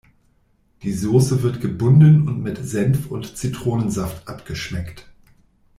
Die Sauce wird gebunden und mit Senf und Zitronensaft abgeschmeckt.